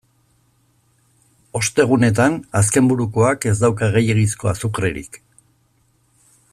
Ostegunetan azkenburukoak ez dauka gehiegizko azukrerik.